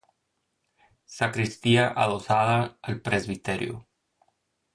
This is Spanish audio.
Sacristía adosada al presbiterio.